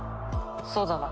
そうだな？